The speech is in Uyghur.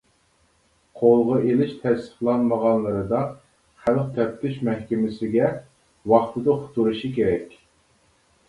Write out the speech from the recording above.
قولغا ئېلىش تەستىقلانمىغانلىرىدا خەلق تەپتىش مەھكىمىسىگە ۋاقتىدا ئۇقتۇرۇشى كېرەك.